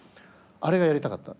あれがやりたかった。